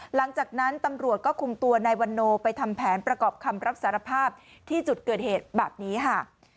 หลังจากนั้นตำรวจก็คุมตัวนายวันโนไปทำแผนประกอบคำรับสารภาพที่จุดเกิดเหตุแบบนี้ค่ะ